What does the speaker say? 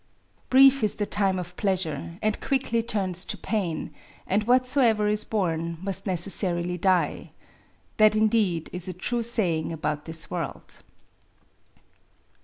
... f> —" Brief U the time of pleasure^ and quickly turns to pain; \and whatsoever is born must necessarily die^ ;— that, indeed, /is a true saying about this world.